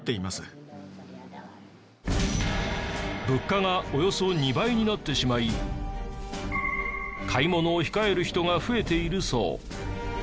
実際物価がおよそ２倍になってしまい買い物を控える人が増えているそう。